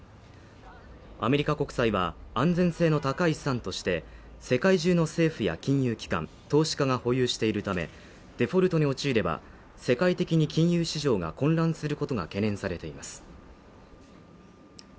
アメリカ国債は、安全性の高い資産として世界中の政府や金融機関、投資家が保有しているためデフォルトに陥れば、世界的に金融市場が混乱することが懸念されています。